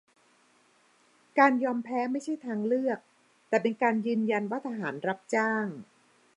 การยอมแพ้ไม่ใช่ทางเลือก แต่เป็นการยืนยันว่าทหารรับจ้าง